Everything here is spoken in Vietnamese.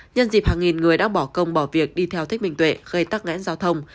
nhân dịp hàng nghìn người đã bỏ công bỏ việc đi theo thích minh tuệ gây tắc nghẽn giao thông